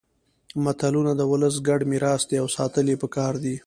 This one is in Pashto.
متلونه د ولس ګډ میراث دي او ساتل يې پکار دي